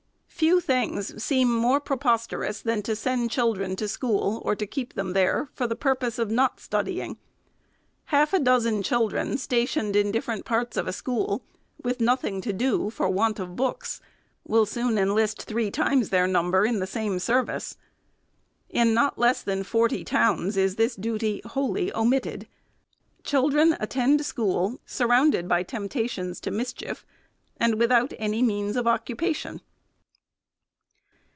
Few things. seem more pre posterous than to send children to school, or to keep them there, for the purpose of not studying. Half a dozen children, stationed in different parts of a school, with nothing to do for want of books, will soon enlist three times their number in the same service. In not less than forty towns is this duty wholly omitted. Children attend school, surrounded by temptations to mischief, and without any means of occupation.